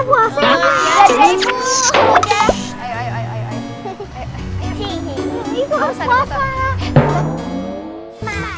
itu harus bapak